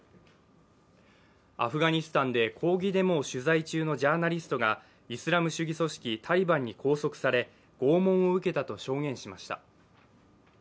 アフガニスタンで抗議デモを取材中のジャーナリストがイスラム主義組織タリバンに拘束され拷問を受けたと証言しました。